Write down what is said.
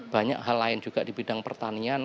banyak hal lain juga di bidang pertanian